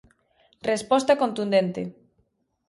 Resposta contudente.